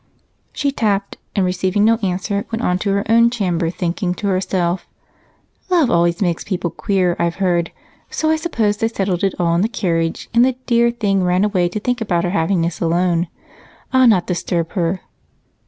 She tapped and receiving no answer, went on to her own chamber, thinking to herself: "Love always makes people queer, I've heard, so I suppose they settled it all in the carriage and the dear thing ran away to think about her happiness alone. I'll not disturb her.